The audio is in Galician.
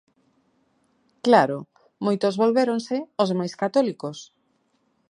Claro, moitos volvéronse os máis católicos.